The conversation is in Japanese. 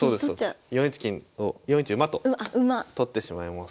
４一金を４一馬と取ってしまいます。